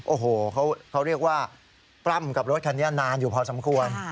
โอ้โหเขาเรียกว่าปล้ำกับรถคันนี้นานอยู่พอสมควร